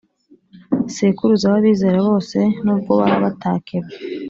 Sekuruza w’abizera bose n’ubwo baba batakebwe